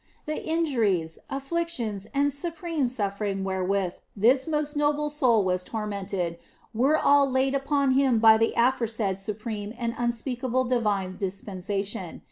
The injuries, afflictions, and supreme suffering where with this most noble soul was tormented were all laid upon Him by the aforesaid supreme and unspeakable divine dispensation.